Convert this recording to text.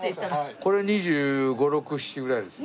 これ２５２６２７ぐらいですね。